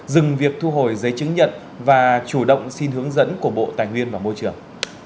dừng việc thu hồi giấy chứng nhận và chủ động xin hướng dẫn của bộ tài nguyên và môi trường